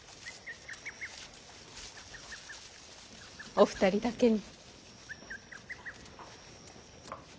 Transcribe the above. お二人だけに。